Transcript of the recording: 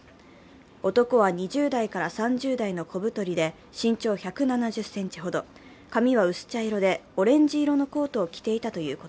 男は２０代から３０代の小太りで身長１７０ｃｍほど髪は薄茶色でオレンジ色のコートを着ていたというこ